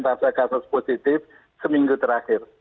dan persentase kasus positif seminggu terakhir